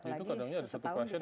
itu kadangnya ada satu pasien